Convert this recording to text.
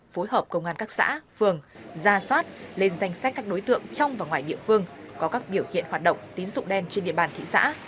phối hợp công an các xã phường gia soát lên danh sách các đối tượng trong và ngoài địa phương có các biểu hiện hoạt động tín dụng đen trên địa bàn thị xã